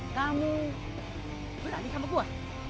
kamu berani sama gue